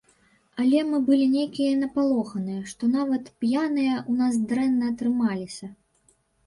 Але мы былі нейкія напалоханыя, што нават п'яныя ў нас дрэнна атрымаліся.